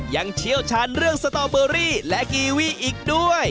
เชี่ยวชาญเรื่องสตอเบอรี่และกีวีอีกด้วย